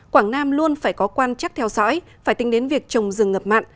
quảng nam luôn phải có quan chắc theo dõi phải tính đến việc trồng rừng ngập mặn